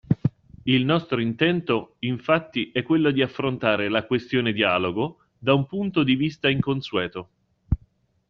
Il nostro intento, infatti, è quello di affrontare la questione-dialogo da un punto di vista inconsueto.